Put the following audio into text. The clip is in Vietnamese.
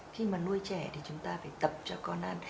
khi mà nuôi trẻ thì chúng ta phải tập cho con ăn